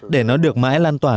để nó được mãi lan tỏa